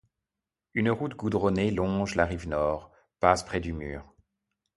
Une route goudronnée longe la rive nord, passe près du mur.